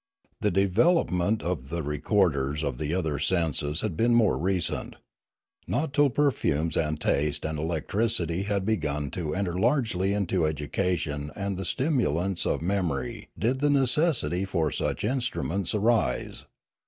The development of the re corders of the other senses had been more recent; not till perfumes and tastes and electricity had begun to enter largely into education and the stimulance of memory did the necessity for such instruments arise.